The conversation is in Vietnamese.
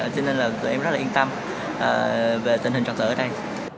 cho nên là bọn em rất là yên tâm về tình hình trọng tử ở đây